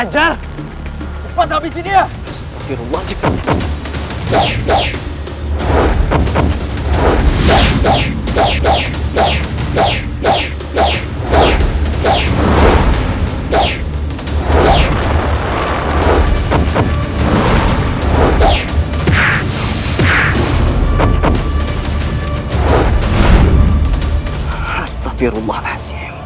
kamu pandai jadi seperti ini harta disukai